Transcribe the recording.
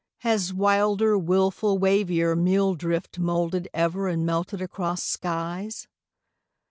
has wilder, wilful wavier Meal drift moulded ever and melted across skies?